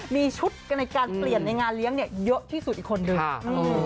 มีชุดในการเปลี่ยนในงานเลี้ยงเนี่ยเยอะที่สุดอีกคนนึง